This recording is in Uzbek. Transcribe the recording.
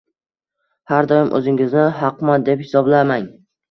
Har doim o‘zingizni haqman deb hisoblamang.